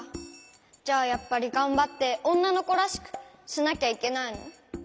じゃあやっぱりがんばって「おんなのこらしく」しなきゃいけないの？